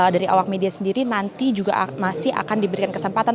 dari awak media sendiri nanti juga masih akan diberikan kesempatan